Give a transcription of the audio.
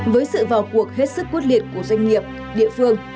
với sự vào cuộc hết sức quyết liệt của doanh nghiệp địa phương